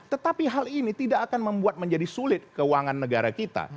tetapi hal ini tidak akan membuat menjadi sulit keuangan negara kita